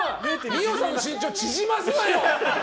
二葉さんの身長縮ますなよ！